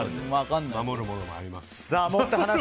守るものもありますし。